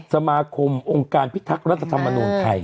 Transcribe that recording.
สมาคมองค์การพิทักราธรรมนมนุนไทย